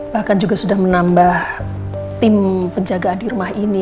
bahkan juga sudah menambah tim penjagaan di rumah ini